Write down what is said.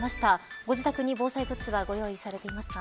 ご自宅に防災グッズはご用意されていますか。